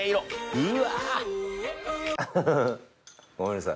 うわ！